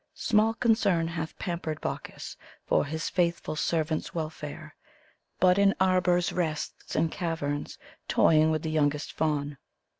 Small concern hath pampered Bacchus for his faithful servant's welfare, But in arbors rests, and caverns, toying with the youngest Faun.